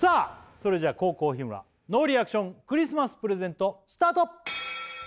それじゃ後攻日村ノーリアクションクリスマスプレゼントスタート